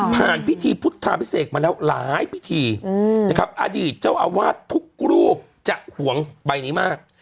พิธีพุทธาพิเศษมาแล้วหลายพิธีนะครับอดีตเจ้าอาวาสทุกรูปจะห่วงใบนี้มาก